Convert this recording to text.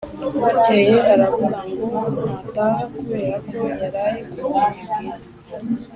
bukeye aravuga ngo ntataha kubera ko yaraye ku buriri bwiza,